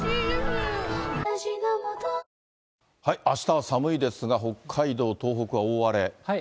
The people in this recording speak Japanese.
あしたは寒いですが、北海道、東北は大荒れ。